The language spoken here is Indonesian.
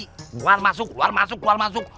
kemudian masuk keluar masuk keluar masuk